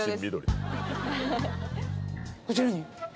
こちらに！